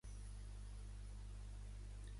Per això portem el llaç groc.